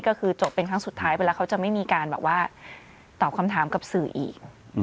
ก็คือจบเป็นครั้งสุดท้ายไปแล้วเขาจะไม่มีการแบบว่าตอบคำถามกับสื่ออีก